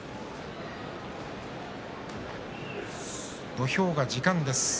土俵が時間です。